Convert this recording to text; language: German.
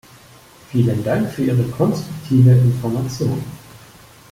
Vielen Dank für Ihre konstruktive Information.